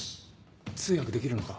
通訳できるのか？